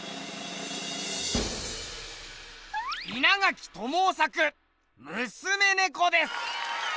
稲垣知雄作「娘猫」です。